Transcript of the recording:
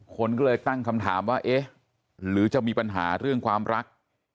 คนก็เลยตั้งคำถามว่าเอ๊ะหรือจะมีปัญหาเรื่องความรัก